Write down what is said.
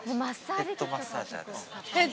◆ヘッドマッサージャーです。